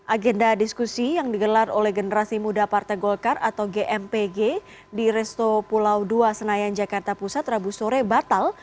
agenda diskusi yang digelar oleh generasi muda partai golkar atau gmpg di resto pulau dua senayan jakarta pusat rabu sore batal